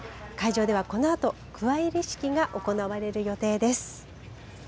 会場では、このあとくわいり式が行われる予定です。